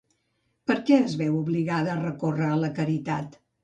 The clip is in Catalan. Per què es veu obligada a recórrer a la caritat?